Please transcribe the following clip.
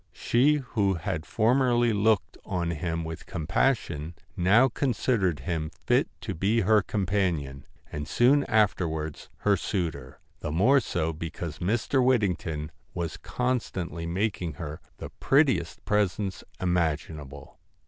She who had formerly looked on him with compassion, now considered him fit to be her companion, and soon afterwards her suitor ; the more so because Mr. Whittington was con stantly making her the prettiest presents imagin able.